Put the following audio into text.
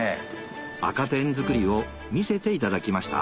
赤てん作りを見せていただきました